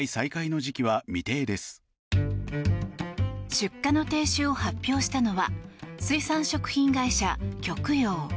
出荷の停止を発表したのは水産食品会社、極洋。